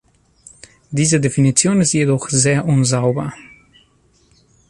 Diese Definition ist jedoch sehr unsauber.